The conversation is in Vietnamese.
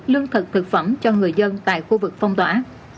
lương thực thực phẩm cho người dân tại khu vực phong tỏa